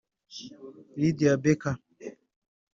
Lydia Becker